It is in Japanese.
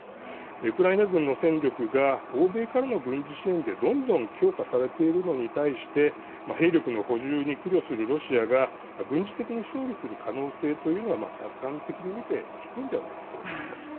ウクライナ軍の戦力が欧米からの軍事支援でどんどん強化されているのに対して兵力の補充に苦慮するロシアが軍事的に勝利する可能性というのは客観的にみて低いのではないかと思います。